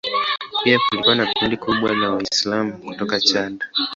Pia kulikuwa na kundi kubwa la Waislamu kutoka Chad.